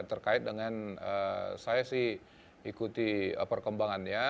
terkait dengan saya sih ikuti perkembangannya